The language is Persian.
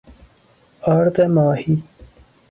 آرد ماهی